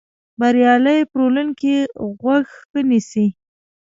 بریالی پلورونکی غوږ ښه نیسي.